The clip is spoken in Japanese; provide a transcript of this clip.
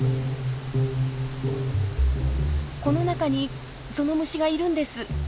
この中にその虫がいるんです。